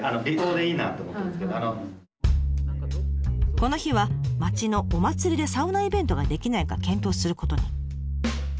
この日は町のお祭りでサウナイベントができないか検討することに。